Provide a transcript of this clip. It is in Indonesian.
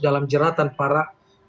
dalam jeratan para